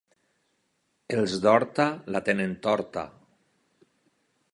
Els d'Horta la tenen torta.